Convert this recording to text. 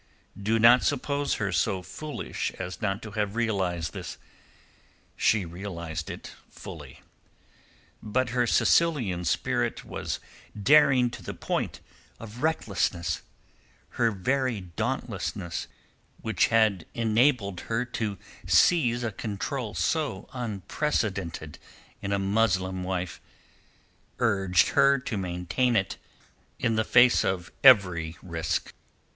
Do not suppose her so foolish as not to have realized this—she realized it fully; but her Sicilian spirit was daring to the point of recklessness; her very dauntlessness which had enabled her to seize a control so unprecedented in a Muslim wife urged her to maintain it in the face of all risks.